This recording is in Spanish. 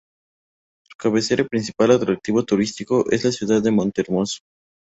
Su cabecera y principal atractivo turístico es la ciudad de Monte Hermoso.